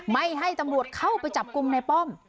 ไม่ให้ตำรวจเข้าไปจับกลุ่มในป้อม